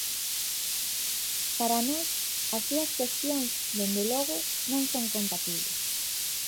Para nós, as dúas cuestións, dende logo, non son compatibles.